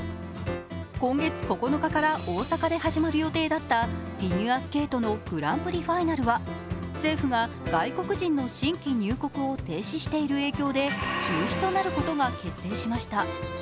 今月９日から大阪で始まる予定だったフィギュアスケートのグランプリファイナルは政府が外国人の新規入国を停止している影響で中止となることが決定しました。